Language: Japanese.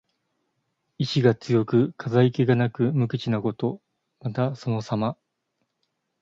意思が強く、飾り気がなく無口なこと。また、そのさま。